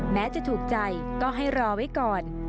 แม้จะถูกใจก็ให้รอไว้ก่อน